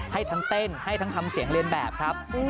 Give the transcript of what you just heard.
ให้ทั้งเต้นให้ทั้งทำเสียงเรียนแบบครับ